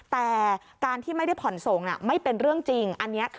แต่การที่ไม่ได้ผ่อนส่งไม่เป็นเรื่องจริง